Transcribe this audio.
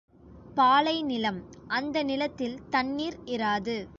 பாலை நிலம் அந்த நிலத்தில் தண்ணிர் இராது.